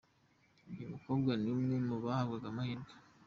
Uyu mukobwa ni umwe mubahabwaga amahirwe.